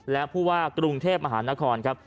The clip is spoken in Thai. และผู้ว่ากรุงเทพมหานครครับ